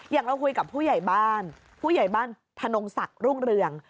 อย่างเราคุยกับผู้ใหญ่บ้านผู้ใหญ่บ้านธนงศักดิ์รุ่งเรือง